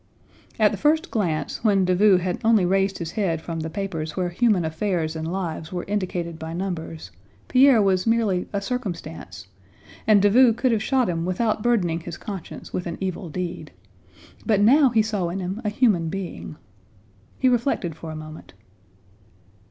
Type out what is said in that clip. At the first glance, when Davout had only raised his head from the papers where human affairs and lives were indicated by numbers, Pierre was merely a circumstance, and Davout could have shot him without burdening his conscience with an evil deed, but now he saw in him a human being. He reflected for a moment.